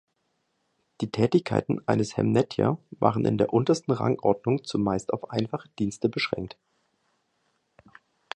Die Tätigkeiten eines "Hem-netjer" waren in der untersten Rangordnung zumeist auf einfache Dienste beschränkt.